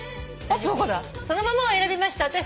「そのまま」を選びました